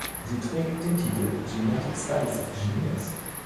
Sie trägt den Titel "Genetic Studies of Genius".